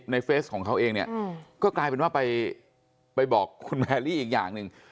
เฟสของเขาเองเนี่ยก็กลายเป็นว่าไปบอกคุณแพรรี่อีกอย่างหนึ่ง